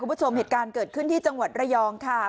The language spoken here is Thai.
คุณผู้ชมเหตุการณ์เกิดขึ้นที่จังหวัดระยองค่ะ